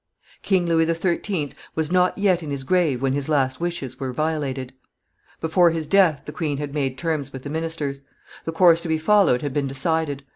King Louis XIII. was not yet in his grave when his last wishes were violated; before his death the queen had made terms with the ministers; the course to be followed had been decided.